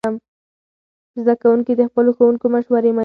زده کوونکي د خپلو ښوونکو مشورې مني.